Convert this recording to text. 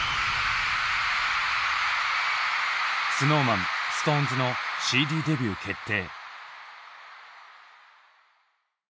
ＳｎｏｗＭａｎＳｉｘＴＯＮＥＳのＣＤデビュー決定。